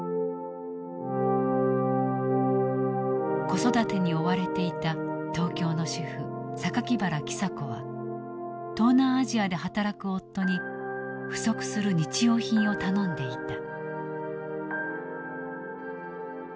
子育てに追われていた東京の主婦原喜佐子は東南アジアで働く夫に不足する日用品を頼んでいた。